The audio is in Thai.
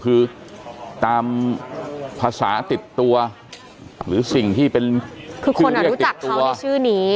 คือตามภาษาติดตัวหรือสิ่งที่เป็นคือเรียกติดตัวคือคนอ่ะรู้จักเขาด้วยชื่อนี้